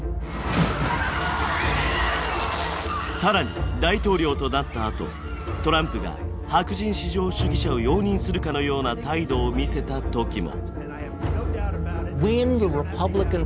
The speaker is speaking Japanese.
更に大統領となったあとトランプが白人至上主義者を容認するかのような態度を見せた時も。